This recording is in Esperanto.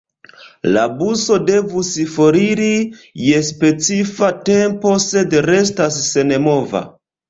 La buso devus foriri je specifa tempo, sed restas senmova.